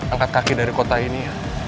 angkat kaki dari kota ini